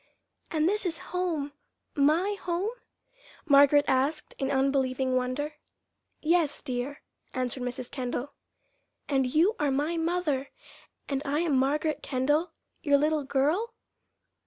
"And this is home my home?" Margaret asked in unbelieving wonder. "Yes, dear," answered Mrs. Kendall. "And you are my mother, and I am Margaret Kendall, your little girl?"